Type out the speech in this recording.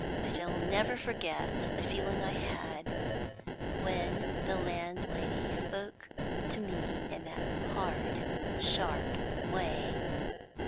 I shall never forget the feeling I had when the landlady spoke to me in that hard, sharp way.